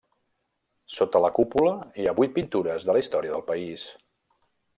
Sota la cúpula hi ha vuit pintures de la història del país.